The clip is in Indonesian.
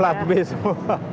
flat base semua